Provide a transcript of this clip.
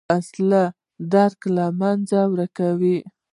وسله د درک له منځه وړونکې ده